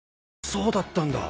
そうだったんだ！